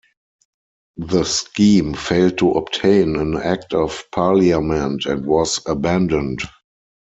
The scheme failed to obtain an Act of Parliament and was abandoned.